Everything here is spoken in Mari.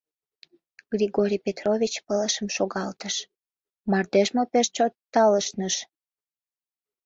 Григорий Петрович пылышым шогалтыш: мардеж мо пеш чот талышныш?